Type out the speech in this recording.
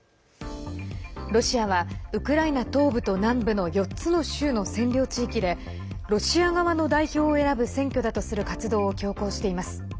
ロシアはウクライナ南部と東部の４つの地域でロシア側の代表を選ぶ選挙だとする活動を強行しています。